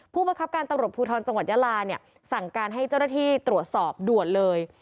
ผู้บังคับการตำรวจภูทรจังหวัดยาลาเนี่ยสั่งการให้เจ้าหน้าที่ตรวจสอบด่วนเลย